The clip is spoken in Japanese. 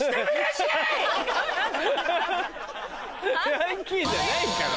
ヤンキーじゃないから。